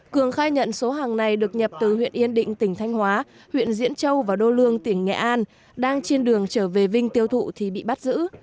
cường khai nhận số hàng này được nhập từ huyện yên định tỉnh thanh hóa huyện diễn châu và đô lương tỉnh nghệ an đang trên đường trở về vinh tiêu thụ thì bị bắt giữ